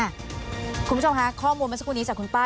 คุณผู้ชมคะข้อมูลเมื่อสักครู่นี้จากคุณป้า